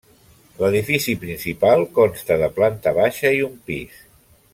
L'edifici principal consta de planta baixa i un pis.